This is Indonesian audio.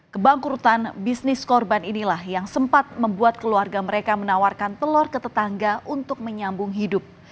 kebangkrutan bisnis korban inilah yang sempat membuat keluarga mereka menawarkan telur ke tetangga untuk menyambung hidup